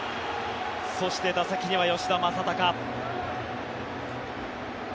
そして、打席には吉田正尚。